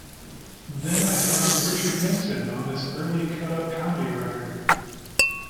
Then I found Richard Nixon on this early cut-up comedy record.